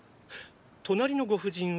隣のご婦人は？